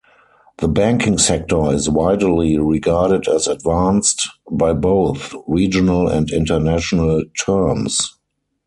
The banking sector is widely regarded as advanced by both regional and international terms.